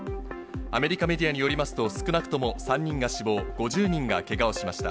アメリカメディアによりますと、少なくとも３人が死亡、５０人がけがをしました。